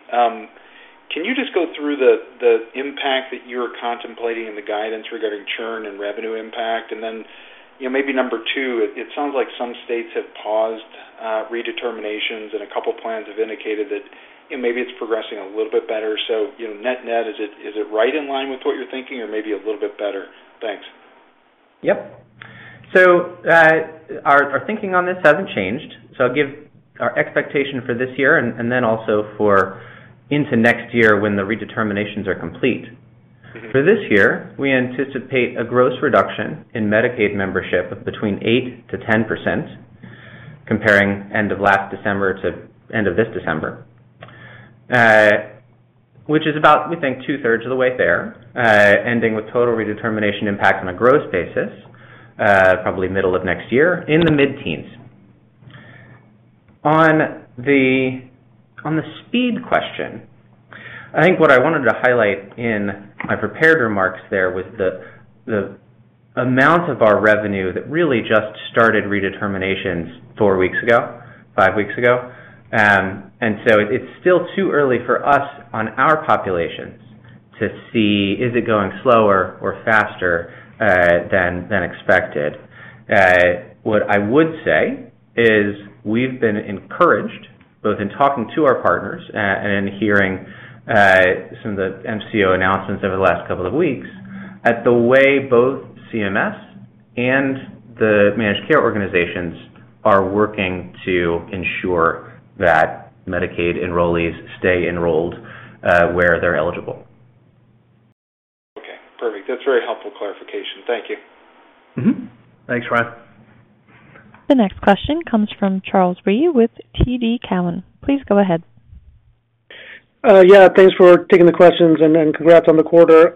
Can you just go through the, the impact that you're contemplating in the guidance regarding churn and revenue impact? You know, maybe number 2, it, it sounds like some states have paused redeterminations, and a couple plans have indicated that, you know, maybe it's progressing a little bit better. You know, net-net, is it, is it right in line with what you're thinking or maybe a little bit better? Thanks. Yep. Our thinking on this hasn't changed. I'll give our expectation for this year and then also for into next year when the redeterminations are complete. Mm-hmm. For this year, we anticipate a gross reduction in Medicaid membership of between 8%-10%, comparing end of last December to end of this December. Which is about, we think, two-thirds of the way there, ending with total redetermination impact on a gross basis, probably middle of next year in the mid-teens. On the speed question, I think what I wanted to highlight in my prepared remarks there was the amount of our revenue that really just started redeterminations four weeks ago, five weeks ago. So it's still too early for us on our populations to see is it going slower or faster than expected. What I would say is, we've been encouraged, both in talking to our partners, and hearing, some of the MCO announcements over the last couple of weeks, at the way both CMS and the managed care organizations are working to ensure that Medicaid enrollees stay enrolled, where they're eligible. Okay, perfect. That's a very helpful clarification. Thank you. Mm-hmm. Thanks, Ryan. The next question comes from Charles Rhyee with TD Cowen. Please go ahead. Yeah, thanks for taking the questions, and congrats on the quarter.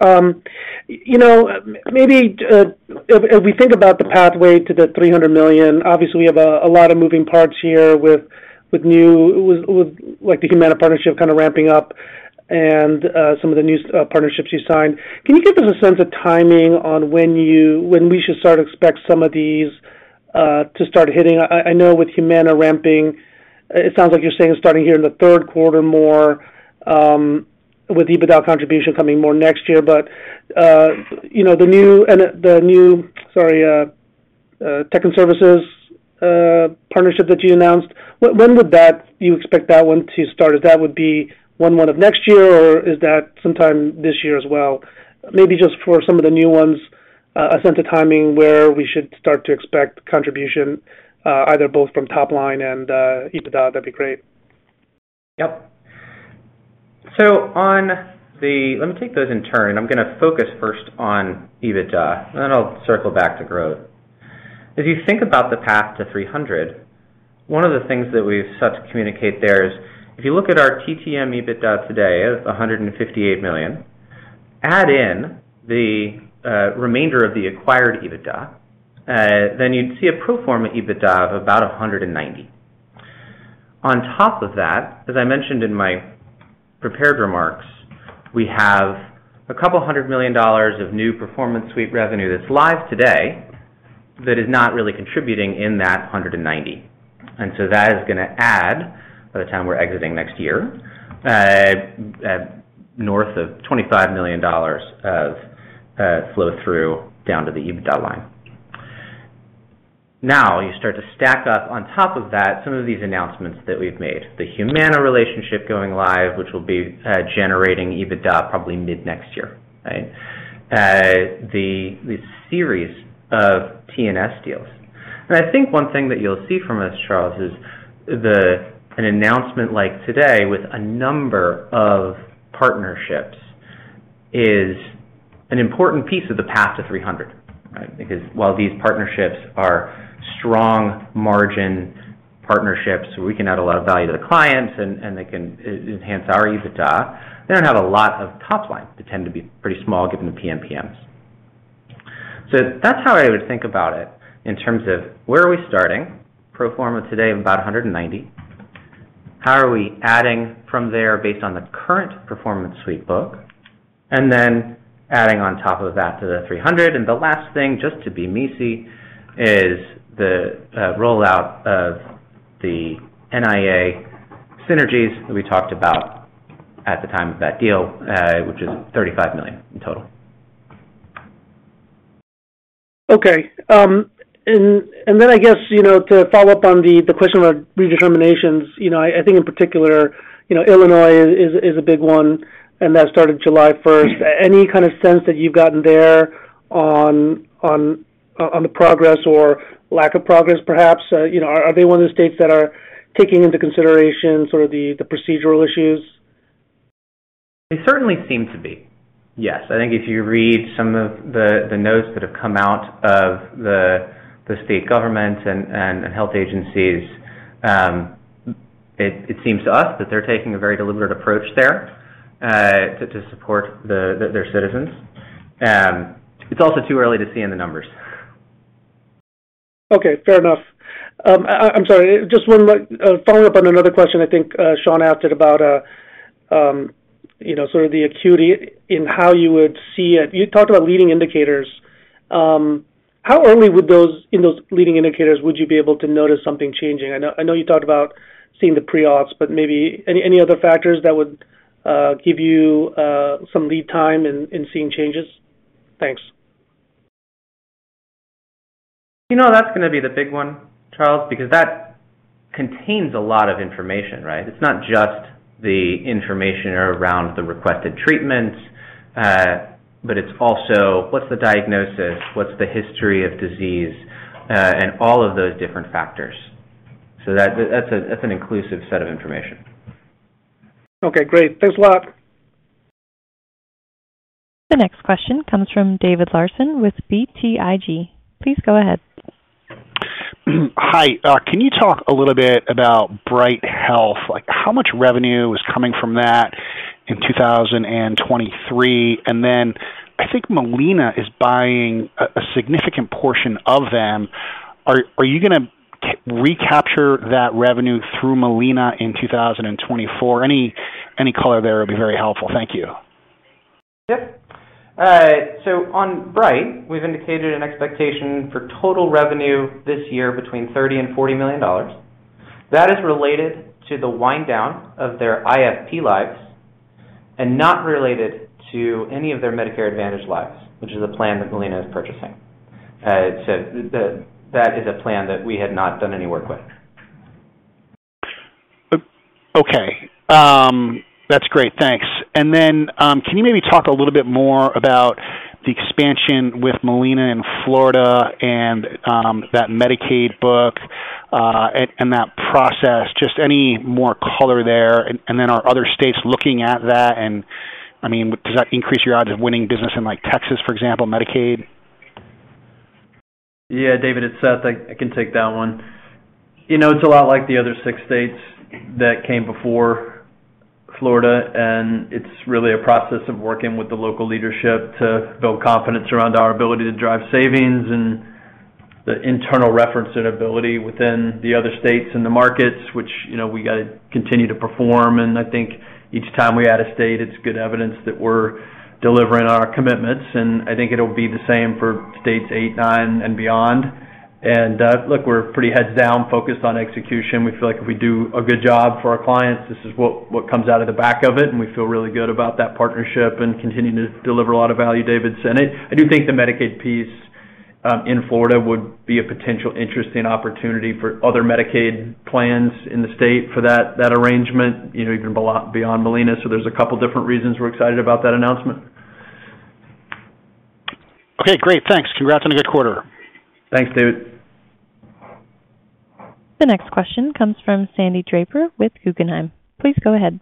You know, maybe, if we think about the pathway to the $300 million, obviously, we have a lot of moving parts here with new, like, the Humana partnership kind of ramping up and some of the new partnerships you signed. Can you give us a sense of timing on when we should start to expect some of these to start hitting? I know with Humana ramping, it sounds like you're saying starting here in the third quarter, more, with EBITDA contribution coming more next year. You know, the new tech and services partnership that you announced, when would you expect that one to start? If that would be 1 month of next year, or is that sometime this year as well? Maybe just for some of the new ones, a sense of timing, where we should start to expect contribution, either both from top line and EBITDA, that'd be great. Yep. On the... Let me take those in turn. I'm gonna focus first on EBITDA, and then I'll circle back to growth. If you think about the path to $300 million, one of the things that we've sought to communicate there is, if you look at our TTM EBITDA today, it's $158 million, add in the remainder of the acquired EBITDA, then you'd see a pro forma EBITDA of about $190 million. On top of that, as I mentioned in my prepared remarks, we have $200 million of new Performance Suite revenue that's live today, that is not really contributing in that $190 million. That is gonna add, by the time we're exiting next year, north of $25 million of flow-through down to the EBITDA line. Now, you start to stack up on top of that, some of these announcements that we've made, the Humana relationship going live, which will be generating EBITDA probably mid-next year, right? The, the series of TNS deals. I think one thing that you'll see from us, Charles, is the an announcement like today with a number of partnerships, is an important piece of the path to $300, right? Because while these partnerships are strong margin partnerships, we can add a lot of value to the clients, and, and they can enhance our EBITDA. They don't have a lot of top line. They tend to be pretty small, given the PMPMs. That's how I would think about it in terms of where are we starting, pro forma today, about $190. How are we adding from there based on the current Performance Suite book, and then adding on top of that to the $300 million. The last thing, just to be messy, is the rollout of the NIA synergies that we talked about at the time of that deal, which is $35 million in total. Okay. I guess, you know, to follow up on the question about redeterminations, you know, I think in particular, you know, Illinois is a big one, and that started July first. Any kind of sense that you've gotten there on the progress or lack of progress, perhaps? You know, are they one of the states that are taking into consideration sort of the procedural issues? They certainly seem to be. Yes. I think if you read some of the, the notes that have come out of the, the state government and, and, and health agencies, it, it seems to us that they're taking a very deliberate approach there, to, to support the, their citizens. It's also too early to see in the numbers. Okay, fair enough. I, I'm sorry, just one more, following up on another question I think Sean asked about, you know, sort of the acuity in how you would see it. You talked about leading indicators. How early would those, in those leading indicators, would you be able to notice something changing? I know, I know you talked about seeing the pre-ops, but maybe any, any other factors that would give you some lead time in, in seeing changes? Thanks. You know, that's gonna be the big one, Charles, because that contains a lot of information, right? It's not just the information around the requested treatments, but it's also what's the diagnosis, what's the history of disease, and all of those different factors. That, that's a, that's an inclusive set of information. Okay, great. Thanks a lot. The next question comes from David Larsen with BTIG. Please go ahead. Hi. Can you talk a little bit about Bright Health? Like, how much revenue is coming from that in 2023? Then I think Molina is buying a significant portion of them. Are you going to recapture that revenue through Molina in 2024? Any, any color there would be very helpful. Thank you. Yep. On Bright, we've indicated an expectation for total revenue this year between $30 million-$40 million. That is related to the wind down of their ISP lives, and not related to any of their Medicare Advantage lives, which is a plan that Molina is purchasing. That is a plan that we had not done any work with. Okay. That's great. Thanks. Then, can you maybe talk a little bit more about the expansion with Molina in Florida and that Medicaid book and that process, just any more color there. Then are other states looking at that? I mean, does that increase your odds of winning business in, like, Texas, for example, Medicaid? Yeah, David, it's Seth. I, I can take that one. You know, it's a lot like the other six states that came before Florida, and it's really a process of working with the local leadership to build confidence around our ability to drive savings and the internal reference and ability within the other states in the markets, which, you know, we got to continue to perform. I think each time we add a state, it's good evidence that we're delivering on our commitments, and I think it'll be the same for states eight, nine, and beyond. Look, we're pretty heads down, focused on execution. We feel like if we do a good job for our clients, this is what, what comes out of the back of it, and we feel really good about that partnership and continuing to deliver a lot of value, David. I, I do think the Medicaid piece in Florida would be a potential interesting opportunity for other Medicaid plans in the state for that, that arrangement, you know, even beyond Molina. There's a couple different reasons we're excited about that announcement. Okay, great. Thanks. Congrats on a good quarter. Thanks, David. The next question comes from Sandy Draper with Guggenheim. Please go ahead.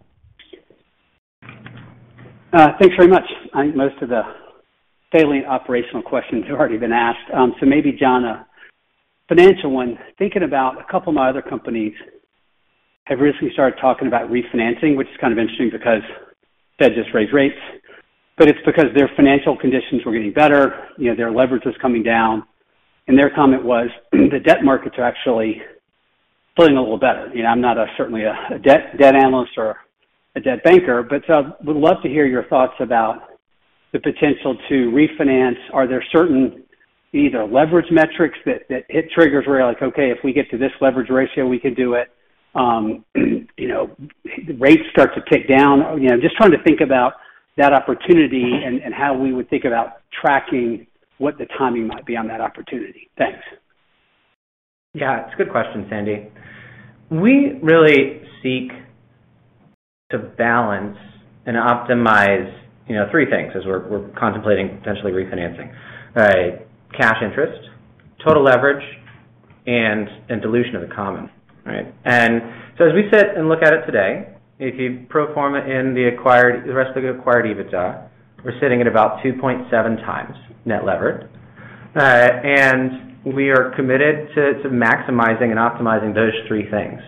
Thanks very much. I think most of the failing operational questions have already been asked. Maybe, John, a financial one. Thinking about a couple of my other companies have recently started talking about refinancing, which is kind of interesting because Fed just raised rates, but it's because their financial conditions were getting better, you know, their leverage was coming down. Their comment was, the debt markets are actually feeling a little better. You know, I'm not a certainly a, a debt, debt analyst or a debt banker. Would love to hear your thoughts about the potential to refinance. Are there certain either leverage metrics that, that hit triggers where you're like, "Okay, if we get to this leverage ratio, we can do it?" You know, rates start to tick down. You know, just trying to think about that opportunity and, and how we would think about tracking what the timing might be on that opportunity. Thanks. Yeah, it's a good question, Sandy. We really seek to balance and optimize, you know, 3 things as we're, we're contemplating potentially refinancing. Right. Cash interest, total leverage, and, and dilution of the common, right. As we sit and look at it today, if you pro forma in the acquired, the rest of the acquired EBITDA, we're sitting at about 2.7x net levered. We are committed to, to maximizing and optimizing those 3 things.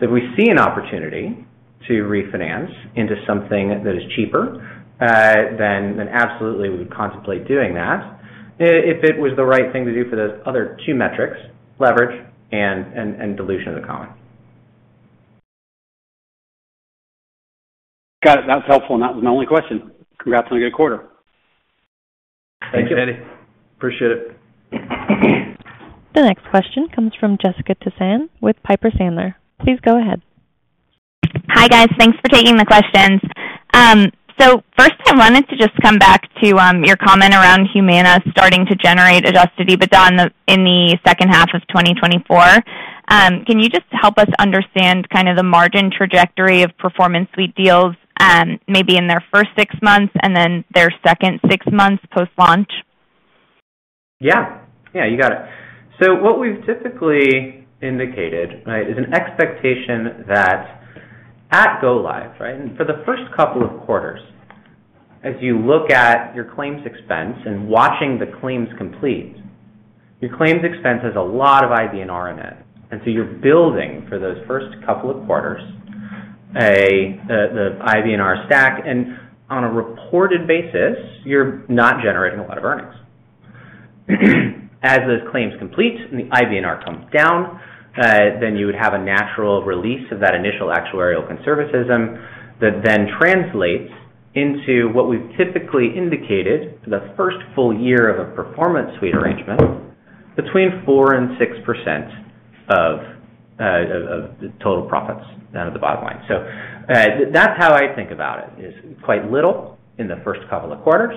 If we see an opportunity to refinance into something that is cheaper, then, then absolutely we would contemplate doing that. If it was the right thing to do for those other 2 metrics, leverage and, and, and dilution of the common. Got it. That's helpful. That was my only question. Congrats on a good quarter. Thanks, Sandy. Appreciate it. The next question comes from Jessica Tassan with Piper Sandler. Please go ahead. Hi, guys. Thanks for taking the questions. First, I wanted to just come back to, your comment around Humana starting to generate Adjusted EBITDA in the, in the second half of 2024. Can you just help us understand kind of the margin trajectory of Performance Suite deals, maybe in their first 6 months and then their second 6 months post-launch? Yeah. Yeah, you got it. What we've typically indicated, right, is an expectation that at go live, right, for the first couple of quarters, as you look at your claims expense and watching the claims complete, your claims expense has a lot of IBNR in it, and so you're building for those first couple of quarters, a, the IBNR stack, and on a reported basis, you're not generating a lot of earnings. As those claims complete and the IBNR comes down, then you would have a natural release of that initial actuarial conservatism that then translates into what we've typically indicated, the first full year of a Performance Suite arrangement, between 4% and 6% of the total profits down at the bottom line. That's how I think about it, is quite little in the first couple of quarters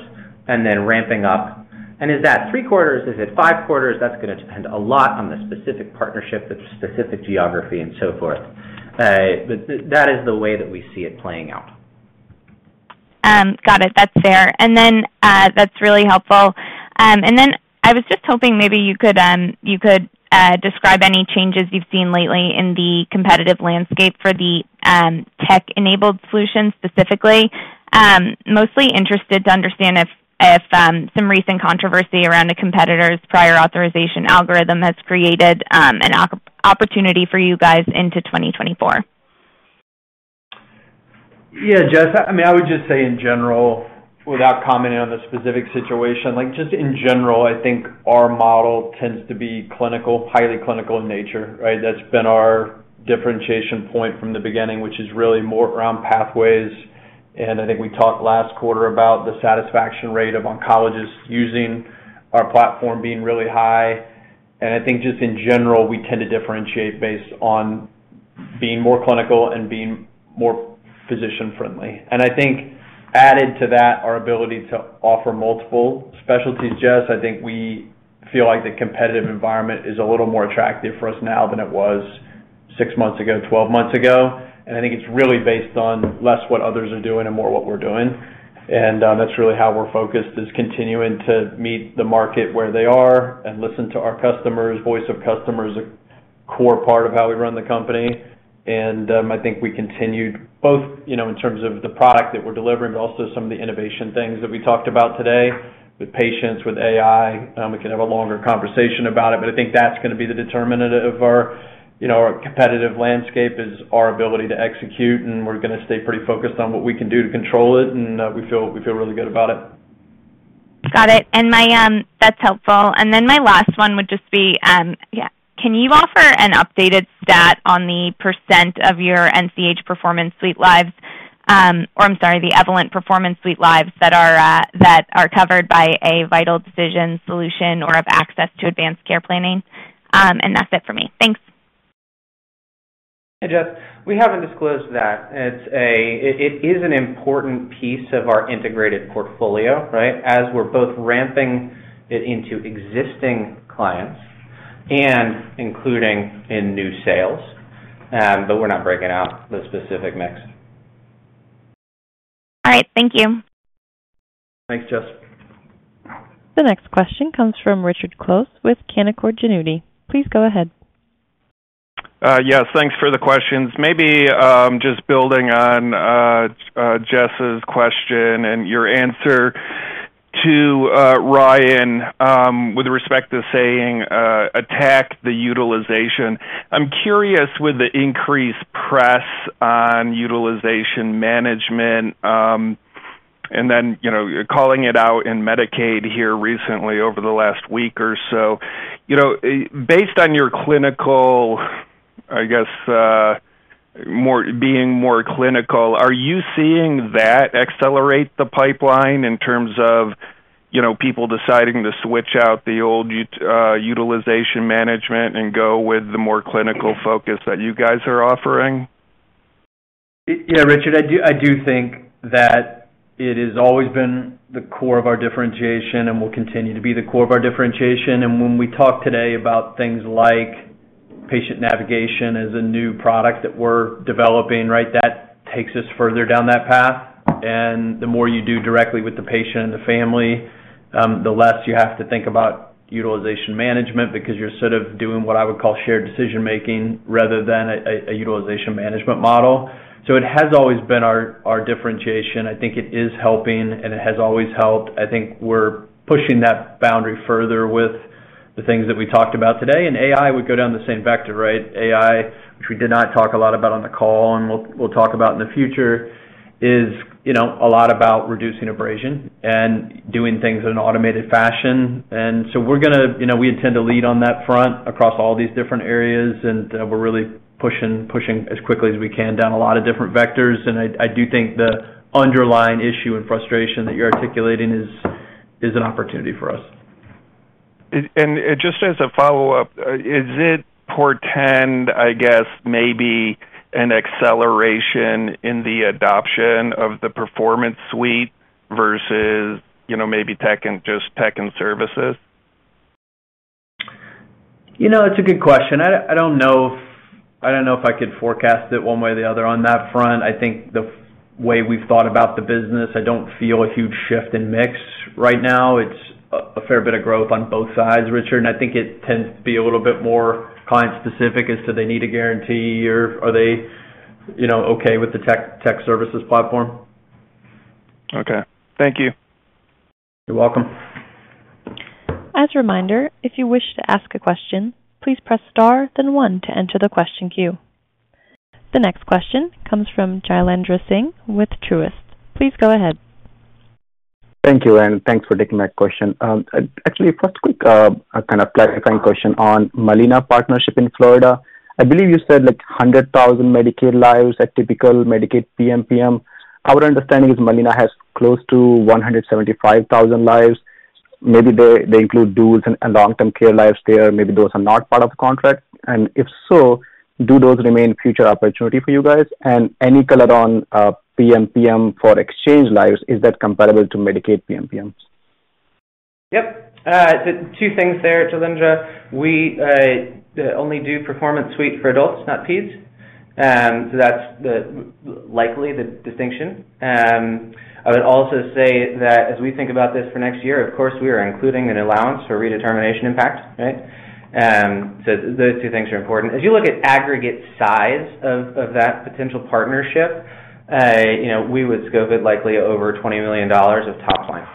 and then ramping up. Is that 3 quarters? Is it 5 quarters? That's gonna depend a lot on the specific partnership, the specific geography, and so forth. That is the way that we see it playing out. Got it. That's fair. That's really helpful. I was just hoping maybe you could describe any changes you've seen lately in the competitive landscape for the tech-enabled solutions, specifically. Mostly interested to understand if, if some recent controversy around the competitor's prior authorization algorithm has created an opportunity for you guys into 2024. Yeah, Jess, I, I mean, I would just say in general, without commenting on the specific situation, like, just in general, I think our model tends to be clinical, highly clinical in nature, right? That's been our differentiation point from the beginning, which is really more around pathways. I think we talked last quarter about the satisfaction rate of oncologists using our platform being really high. I think just in general, we tend to differentiate based on being more clinical and being more physician-friendly. I think added to that, our ability to offer multiple specialties, Jess, I think we feel like the competitive environment is a little more attractive for us now than it was 6 months ago, 12 months ago. I think it's really based on less what others are doing and more what we're doing. That's really how we're focused, is continuing to meet the market where they are and listen to our customers. Voice of customer is a core part of how we run the company. I think we continued both, you know, in terms of the product that we're delivering, but also some of the innovation things that we talked about today with patients, with AI. We can have a longer conversation about it, but I think that's gonna be the determinant of our, you know, our competitive landscape, is our ability to execute, and we're gonna stay pretty focused on what we can do to control it. We feel, we feel really good about it. Got it. My... That's helpful. My last one would just be, yeah, can you offer an updated stat on the % of your NCH Performance Suite lives, or I'm sorry, the Evolent Performance Suite lives that are covered by a Vital Decisions solution or have access to advanced care planning? That's it for me. Thanks. Hey, Jess. We haven't disclosed that. It is an important piece of our integrated portfolio, right? As we're both ramping it into existing clients and including in new sales, we're not breaking out the specific mix. All right, thank you. Thanks, Jess. The next question comes from Richard Close with Canaccord Genuity. Please go ahead. Yes, thanks for the questions. Maybe just building on Jess's question and your answer to Ryan, with respect to saying, attack the utilization. I'm curious, with the increased press on utilization management, and then, you know, calling it out in Medicaid here recently over the last week or so, you know, based on your clinical, I guess, more-- being more clinical, are you seeing that accelerate the pipeline in terms of, you know, people deciding to switch out the old utilization management and go with the more clinical focus that you guys are offering? Yeah, Richard, I do, I do think that it has always been the core of our differentiation and will continue to be the core of our differentiation. When we talk today about things like patient navigation as a new product that we're developing, right, that takes us further down that path. The more you do directly with the patient and the family, the less you have to think about utilization management, because you're sort of doing what I would call shared decision-making rather than a, a, a utilization management model. It has always been our, our differentiation. I think it is helping, and it has always helped. I think we're pushing that boundary further with the things that we talked about today. AI would go down the same vector, right? AI, which we did not talk a lot about on the call and we'll, we'll talk about in the future, is, you know, a lot about reducing abrasion and doing things in an automated fashion. So we're gonna, you know, we intend to lead on that front across all these different areas, and we're really pushing, pushing as quickly as we can down a lot of different vectors. I, I do think the underlying issue and frustration that you're articulating is, is an opportunity for us. And just as a follow-up, is it portend, I guess, maybe an acceleration in the adoption of the Performance Suite versus, you know, maybe tech and just tech and services? You know, it's a good question. I, I don't know if, I don't know if I could forecast it one way or the other on that front. I think the way we've thought about the business, I don't feel a huge shift in mix right now. It's a, a fair bit of growth on both sides, Richard, and I think it tends to be a little bit more client-specific as to they need a guarantee or are they, you know, okay with the tech, tech services platform? Okay. Thank you. You're welcome. As a reminder, if you wish to ask a question, please press star, then 1 to enter the question queue. The next question comes from Jailendra Singh with Truist. Please go ahead. Thank you, and thanks for taking my question. Actually, first, quick, kind of clarifying question on Molina partnership in Florida. I believe you said, like, 100,000 Medicaid lives at typical Medicaid PMPM. Our understanding is Molina has close to 175,000 lives. Maybe they, they include duels and, and long-term care lives there. Maybe those are not part of the contract. If so, do those remain future opportunity for you guys? Any color on PMPM for exchange lives, is that comparable to Medicaid PMPMs? Yep. The two things there, Jailendra. We, only do Performance Suite for adults, not pedes.... That's the, likely the distinction. I would also say that as we think about this for next year, of course, we are including an allowance for redetermination impact, right? Those two things are important. As you look at aggregate size of, of that potential partnership, you know, we would scope it likely over $20 million of top line.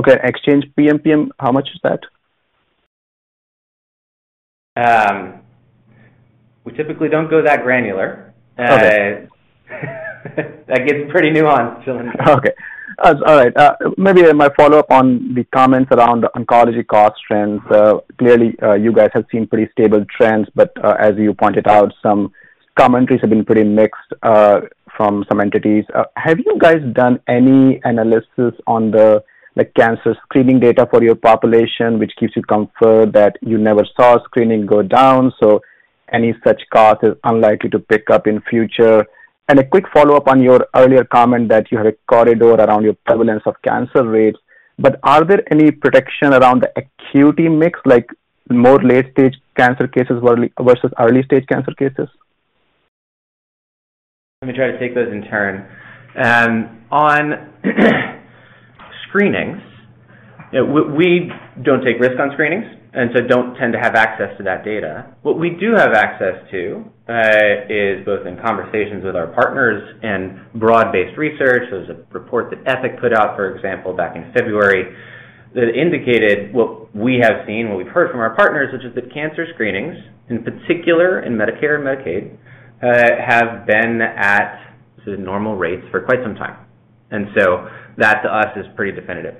Okay, exchange PMPM, how much is that? We typically don't go that granular. Okay. That gets pretty nuanced, Jailendra. Okay. All right. Maybe my follow-up on the comments around oncology cost trends. Clearly, you guys have seen pretty stable trends, but as you pointed out, some commentaries have been pretty mixed from some entities. Have you guys done any analysis on the, the cancer screening data for your population, which gives you comfort that you never saw screening go down, so any such cost is unlikely to pick up in future? A quick follow-up on your earlier comment that you have a corridor around your prevalence of cancer rates. Are there any protection around the acuity mix, like more late-stage cancer cases versus early-stage cancer cases? Let me try to take those in turn. On screenings, you know, we, we don't take risk on screenings and so don't tend to have access to that data. What we do have access to, is both in conversations with our partners and broad-based research. There's a report that Epic put out, for example, back in February, that indicated what we have seen, what we've heard from our partners, which is that cancer screenings, in particular in Medicare and Medicaid, have been at the normal rates for quite some time. And so that, to us, is pretty definitive,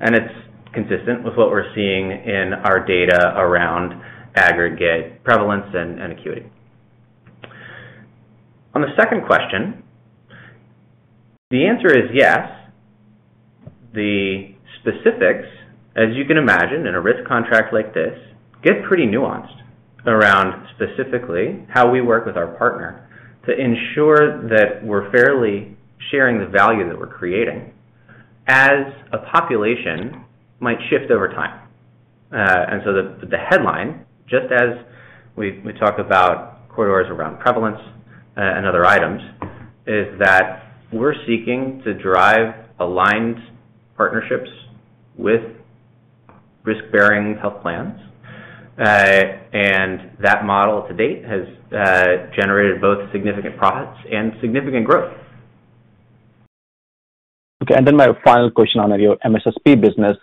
and it's consistent with what we're seeing in our data around aggregate prevalence and, and acuity. On the second question, the answer is yes. The specifics, as you can imagine, in a risk contract like this, get pretty nuanced around specifically how we work with our partner to ensure that we're fairly sharing the value that we're creating, as a population might shift over time. The, the headline, just as we, we talk about corridors around prevalence, and other items, is that we're seeking to drive aligned partnerships with risk-bearing health plans. That model to date has generated both significant profits and significant growth. Okay, my final question on your MSSP business.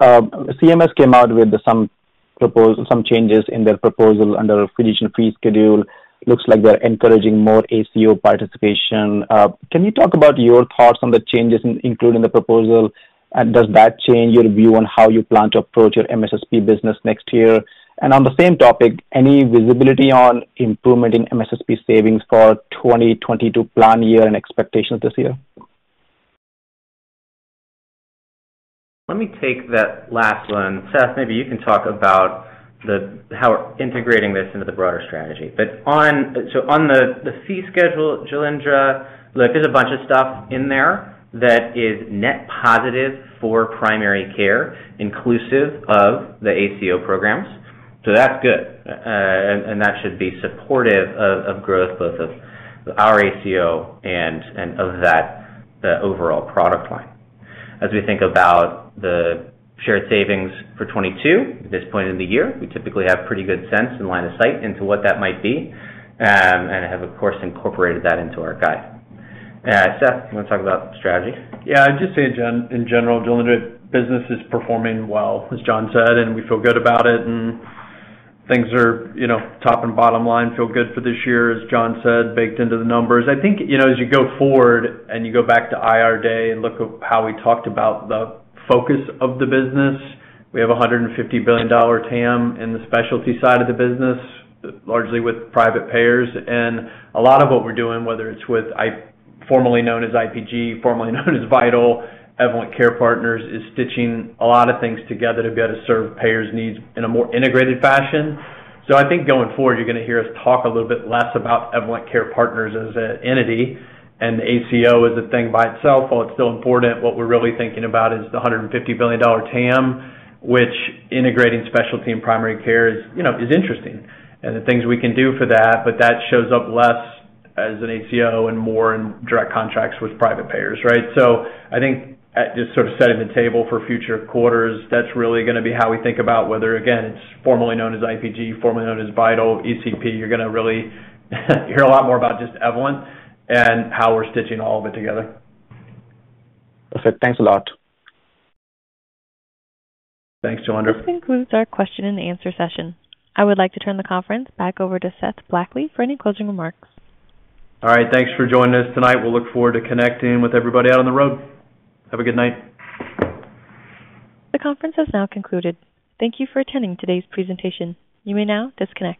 CMS came out with some proposal, some changes in their proposal under Physician Fee Schedule. Looks like they're encouraging more ACO participation. Can you talk about your thoughts on the changes, including the proposal? Does that change your view on how you plan to approach your MSSP business next year? On the same topic, any visibility on improvement in MSSP savings for 2022 plan year and expectations this year? Let me take that last one. Seth, maybe you can talk about how integrating this into the broader strategy. On the fee schedule, Jailendra, look, there's a bunch of stuff in there that is net positive for primary care, inclusive of the ACO programs. That's good, and that should be supportive of growth, both of our ACO and of that, the overall product line. As we think about the shared savings for 22, at this point in the year, we typically have pretty good sense and line of sight into what that might be, and have, of course, incorporated that into our guide. Seth, you want to talk about strategy? Yeah, I'd just say, in, in general, Jailendra, business is performing well, as Jon said, and we feel good about it, and things are, you know, top and bottom line feel good for this year, as Jon said, baked into the numbers. I think, you know, as you go forward, and you go back to Investor Day and look at how we talked about the focus of the business, we have a $150 billion TAM in the specialty side of the business, largely with private payers. A lot of what we're doing, whether it's with formerly known as IPG, formerly known as Vital, Evolent Care Partners, is stitching a lot of things together to be able to serve payers' needs in a more integrated fashion. I think going forward, you're going to hear us talk a little bit less about Evolent Care Partners as an entity, and the ACO is a thing by itself. While it's still important, what we're really thinking about is the $150 billion TAM, which integrating specialty and primary care is, you know, is interesting and the things we can do for that. That shows up less as an ACO and more in direct contracts with private payers, right? I think at just sort of setting the table for future quarters, that's really gonna be how we think about whether, again, it's formerly known as IPG, formerly known as Vital ECP. You're gonna really hear a lot more about just Evolent and how we're stitching all of it together. Perfect. Thanks a lot. Thanks, Jailendra. This concludes our question and answer session. I would like to turn the conference back over to Seth Blackley for any closing remarks. All right. Thanks for joining us tonight. We'll look forward to connecting with everybody out on the road. Have a good night. The conference has now concluded. Thank you for attending today's presentation. You may now disconnect.